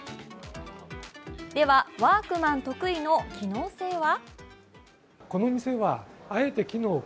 では、ワークマン得意の機能性は？